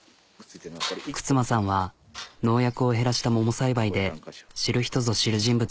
久津間さんは農薬を減らした桃栽培で知る人ぞ知る人物。